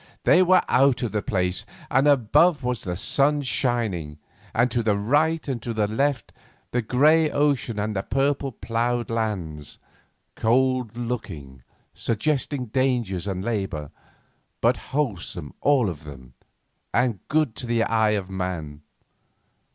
they were out of the place, and above was the sun shining, and, to the right and left, the grey ocean and the purple plough lands, cold looking, suggesting dangers and labour, but wholesome all of them, and good to the eye of man.